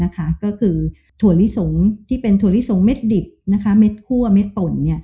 ก็คือถั่วลิสงที่เป็นถั่วลิสงเม็ดดิบเม็ดคั่วเม็ดป่น